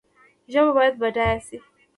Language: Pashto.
ژبه باید بډایه شي